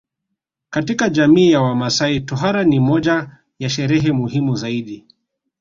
Katika jamii ya wamaasai tohara ni moja ya sherehe muhimu zaidi